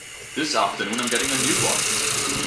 This afternoon I'm getting a new one!